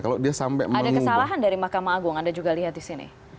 ada kesalahan dari mahkamah agung anda juga lihat di sini